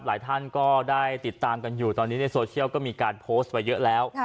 หลายท่านก็ได้ติดตามกันอยู่ตอนนี้ในโซเชียลก็มีการโพสต์ไว้เยอะแล้ว